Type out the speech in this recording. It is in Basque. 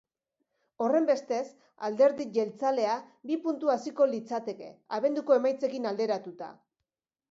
Horrenbestez, alderdi jeltzalea bi puntu haziko litzateke, abenduko emaitzekin alderatuta.